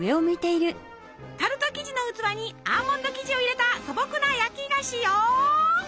タルト生地の器にアーモンド生地を入れた素朴な焼き菓子よ！